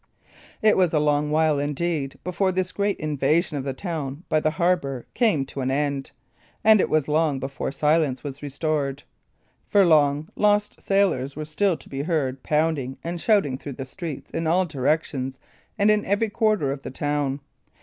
It was a long while, indeed, before this great invasion of the town by the harbour came to an end, and it was long before silence was restored. For long, lost sailors were still to be heard pounding and shouting through the streets in all directions and in every quarter of the town.